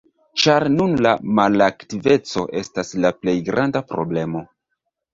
Ĉar nun la malaktiveco estas la plej granda problemo.